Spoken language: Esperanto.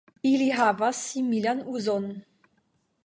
Ili havas similan uzon.